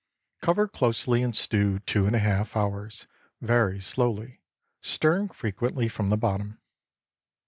Cover closely and stew two and a half hours very slowly, stirring frequently from the bottom.